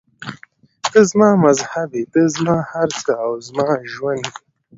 ته زما مذهب یې، ته زما هر څه او زما ژوند یې.